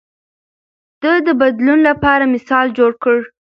ده د بدلون لپاره مثال جوړ کړ.